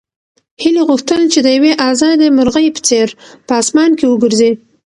هیلې غوښتل چې د یوې ازادې مرغۍ په څېر په اسمان کې وګرځي.